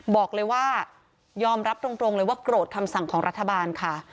บอกเลยว่ายอมรับตรงเลยว่าโกรธคำสั่งของรัฐบาลค่ะ